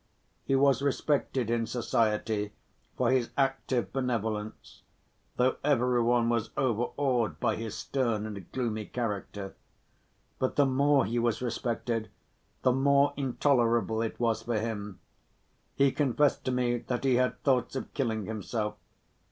He was respected in society for his active benevolence, though every one was overawed by his stern and gloomy character. But the more he was respected, the more intolerable it was for him. He confessed to me that he had thoughts of killing himself.